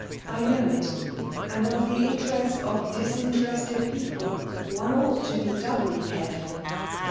''*' I know it ; and of the interest of dian terested people* one ought to be doubly careful.